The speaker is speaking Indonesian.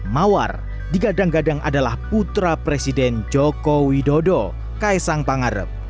mawar digadang gadang adalah putra presiden joko widodo kaisang pangarep